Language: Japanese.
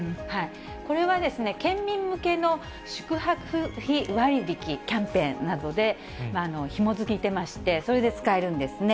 これは、県民向けの宿泊費割引キャンペーンなどで、ひもづけてまして、それで使えるんですね。